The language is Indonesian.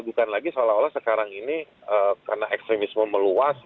bukan lagi seolah olah sekarang ini karena ekstremisme meluas